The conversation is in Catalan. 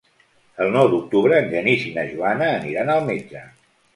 El nou d'octubre en Genís i na Joana aniran al metge.